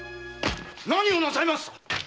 何をなさいますっ